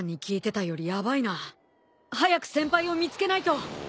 早く先輩を見つけないと。